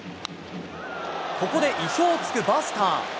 ここで意表をつくバスター。